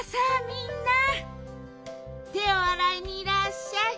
みんなてをあらいにいらっしゃい。